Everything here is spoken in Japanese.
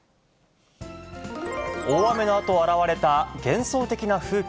大雨のあと現れた幻想的な風景。